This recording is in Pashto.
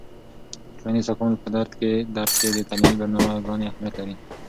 د ټولنیز تکامل په درک کې د تعلیمي برنامه ګانې اهیمت لري.